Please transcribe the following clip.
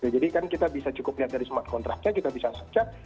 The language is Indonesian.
jadi kan kita bisa cukup lihat dari smart contractnya kita bisa secat